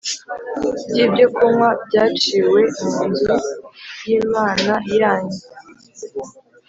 Ry ibyokunywa byaciwe mu nzu y imana yanyu